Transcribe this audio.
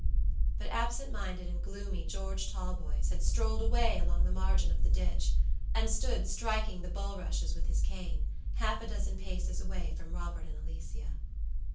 But absent minded and gloomy George Talboys had strolled away along the margin of the ditch, and stood striking the bulrushes with his cane, half a dozen paces away from Robert and Alicia.